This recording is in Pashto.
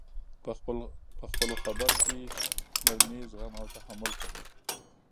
په خپلو خبر کي نرمي، زغم او تحمل کوئ!